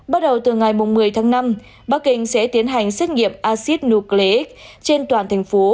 bắt đầu từ ngày một mươi tháng năm bắc kinh sẽ tiến hành xét nghiệm acid nucleic trên toàn thành phố